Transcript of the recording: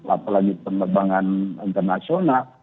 apalagi pengembangan internasional